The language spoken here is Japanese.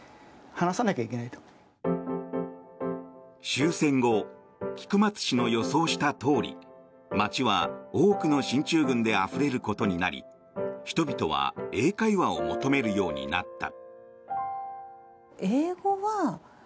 終戦後菊松氏の予想したとおり街は、多くの進駐軍であふれることになり人々は英会話を求めるようになった。